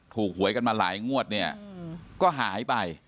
หวยกันมาหลายงวดเนี่ยก็หายไป